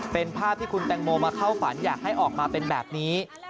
เป็นภาพที่คุณแตงโมมาเข้าฝันอยากให้ออกมาเป็นแบบนี้